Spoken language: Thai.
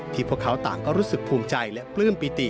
พวกเขาต่างก็รู้สึกภูมิใจและปลื้มปิติ